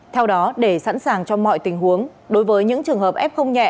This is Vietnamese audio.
theo đó để sẵn sàng cho mọi tình huống đối với những trường hợp ép không nhẹ